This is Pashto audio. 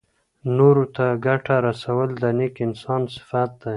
نورو ته ګټه رسول د نېک انسان صفت دی.